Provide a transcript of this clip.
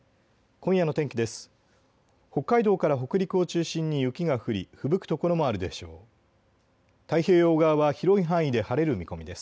今夜の天気です。